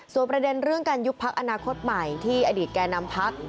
ส่วนประเด็นกันยุคพรรคอนาคตใหม่ที่อดีตแก่นำพรรค